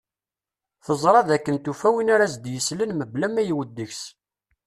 Teẓra d akken tufa win ara as-d-yesslen mebla ma yewwet deg-s.